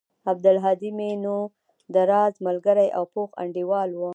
عبدالهادى مې نو د راز ملگرى او پوخ انډيوال و.